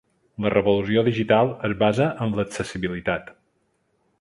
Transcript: La revolució digital es basa en l'accessibilitat.